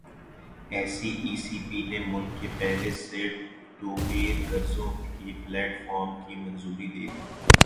S E C P نے ملک کے پہلے پیر ٹو پیر قرضوں کے پلیٹ فارم کی منظوری دے دی